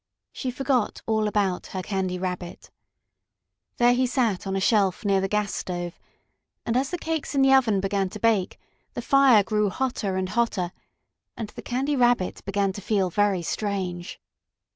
She forgot all about her Candy Rabbit. There he sat on a shelf near the gas stove, and as the cakes in the oven began to bake, the fire grew hotter and hotter and the Candy Rabbit began to feel very strange.